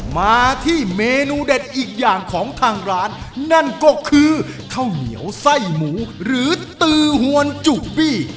มาที่เมนูเด็ดอีกอย่างของทางร้านนั่นก็คือข้าวเหนียวไส้หมูหรือตือหวนจุบี้